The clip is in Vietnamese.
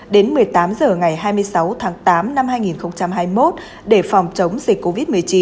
đến một mươi tám h ngày hai mươi sáu tháng tám năm hai nghìn hai mươi một để phòng chống dịch covid một mươi chín